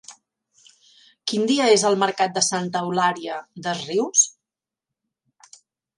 Quin dia és el mercat de Santa Eulària des Riu?